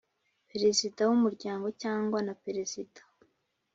Perezida w umuryango cyangwa na Perezida